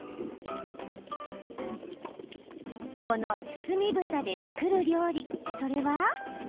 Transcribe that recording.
この包みぶたで作る料理それは。